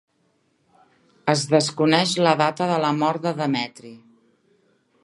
Es desconeix la data de la mort de Demetri.